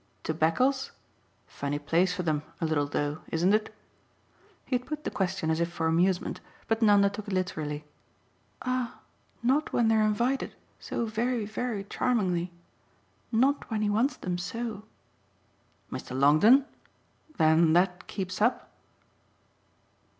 "To Beccles? Funny place for them, a little though, isn't it?" He had put the question as if for amusement, but Nanda took it literally. "Ah not when they're invited so very very charmingly. Not when he wants them so." "Mr. Longdon? Then that keeps up?"